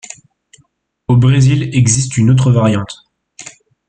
Au Brésil existe une autre variante.